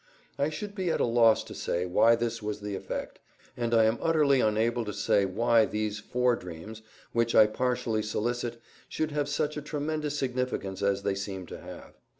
I should be at a loss to say why this was the effect, and I am utterly unable to say why these fore dreams, which I partially solicit, should have such a tremendous significance as they seem to have.